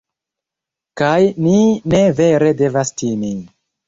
kaj ni ne vere devas timi